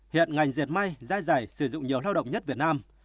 hiện ngành diệt may da dày sử dụng nhiều lao động nhất việt nam